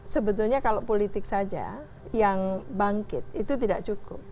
sebetulnya kalau politik saja yang bangkit itu tidak cukup